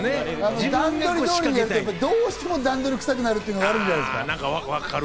段取り通りにやると、どうしても段取りくさくなるっていうのがあるんじゃないですか？